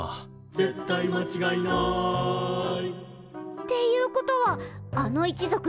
「絶対まちがいない」っていうことはあの一族すっごい